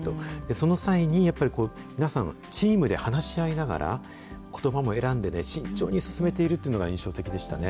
その際に、やっぱり皆さん、チームで話し合いながら、ことばも選んでね、慎重に進めているというのが印象的でしたね。